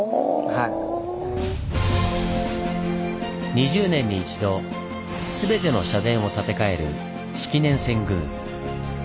２０年に一度全ての社殿を建て替える式年遷宮。